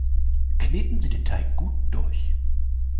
Kneten Sie den Teig gut durch!